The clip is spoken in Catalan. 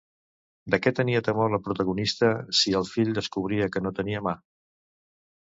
De què tenia temor la progenitora si el fill descobria que no tenia mà?